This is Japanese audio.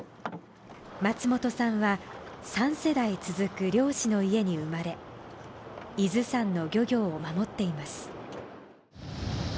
松本さんは３世代続く漁師の家に生まれ伊豆山の漁業を守っています。